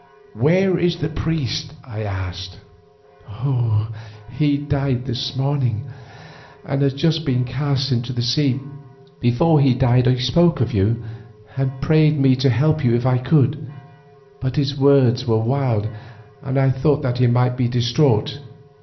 "Where is the priest?" I asked. "He died this morning and has just been cast into the sea. Before he died he spoke of you, and prayed me to help you if I could. But his words were wild and I thought that he might be distraught.